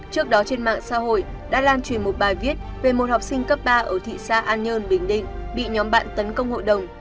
trước đó trên mạng xã hội đã lan truyền một bài viết về một học sinh cấp ba ở thị xã an nhơn bình định bị nhóm bạn tấn công hội đồng